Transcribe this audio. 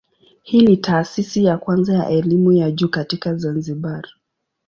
Hii ni taasisi ya kwanza ya elimu ya juu katika Zanzibar.